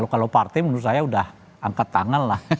kalau partai menurut saya sudah angkat tangan lah